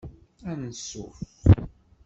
Anṣuf!